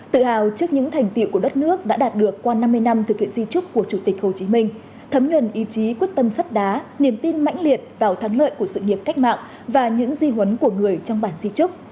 tự hào trước những thành tiệu của đất nước đã đạt được qua năm mươi năm thực hiện di trúc của chủ tịch hồ chí minh thấm nhuần ý chí quyết tâm sắt đá niềm tin mãnh liệt vào thắng lợi của sự nghiệp cách mạng và những di huấn của người trong bản di trúc